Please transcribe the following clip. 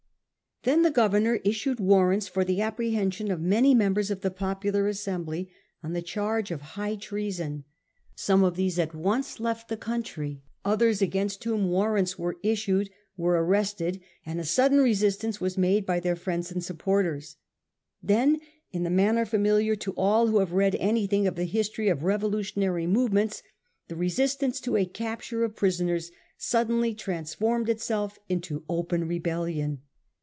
Then the governor issued warrants for the apprehension of many mem bers of the popular Assembly on the charge of high 56 A HISTORY OF OUR OWN TIMES. ch. m. treason. Some of these at once left the country; others against whom warrants were issued were arrested, and a sudden resistance was made by their friends and supporters. Then, in the manner familiar to all who have read anything of the history of re volutionary movements, the resistance to a capture of prisoners suddenly transformed itself into open rebellion.